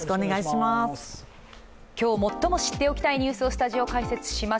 今日最も知っておきたいニュースをスタジオ解説します、